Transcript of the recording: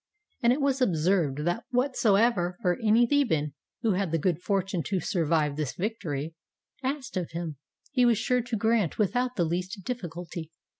And it was observed that whatsoever any Theban, who had the good fortune to survive this victory, asked of him, he was sure to grant without the least diflQculty.